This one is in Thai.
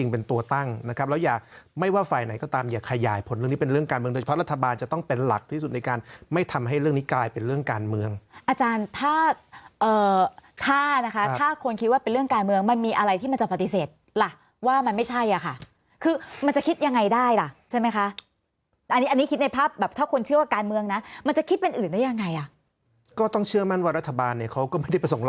เป็นตัวตั้งนะครับแล้วอย่าไม่ว่าฝ่ายไหนก็ตามอย่าขยายผลเรื่องนี้เป็นเรื่องการเมืองโดยเฉพาะรัฐบาลจะต้องเป็นหลักที่สุดในการไม่ทำให้เรื่องนี้กลายเป็นเรื่องการเมืองอาจารย์ถ้าเอ่อถ้านะคะถ้าคนคิดว่าเป็นเรื่องการเมืองมันมีอะไรที่มันจะปฏิเสธล่ะว่ามันไม่ใช่อ่ะค่ะคือมันจะคิดยังไงได้ล่ะใช่ไหม